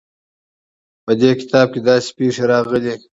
په دې کتاب کې داسې پېښې راغلې دي.